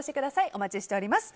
お待ちしております。